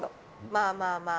まあまあまあ。